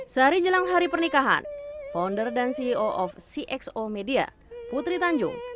sehari jelang hari pernikahan founder dan ceo of cxo media putri tanjung